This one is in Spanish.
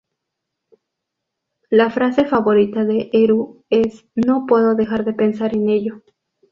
La frase favorita de Eru es "¡No puedo dejar de pensar en ello!